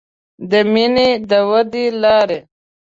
د مینې د ودې لارې